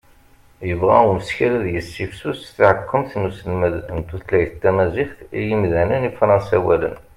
yebɣa umeskar ad yessifsus taɛekkumt n uselmed n tutlayt tamaziɣt i yimdanen ifransawalen